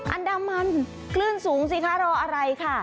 อันดามันคลื่นสูงสิคะรออะไรค่ะ